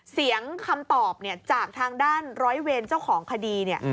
เสียงคำตอบจากทางด้านร้อยเวนเจ้าของคดี